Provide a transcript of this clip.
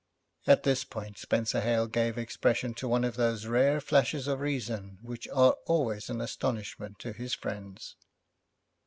At this point Spenser Hale gave expression to one of those rare flashes of reason which are always an astonishment to his friends.